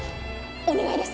お願いです